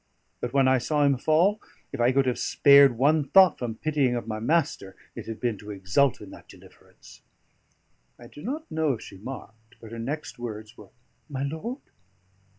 But when I saw him fall, if I could have spared one thought from pitying of my master, it had been to exult in that deliverance." I do not know if she marked; but her next words were, "My lord?"